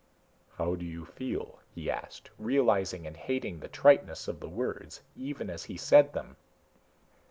"How do you feel?" he asked, realizing and hating the triteness of the words, even as he said them.